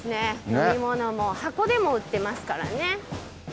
飲み物も箱でも売ってますからね。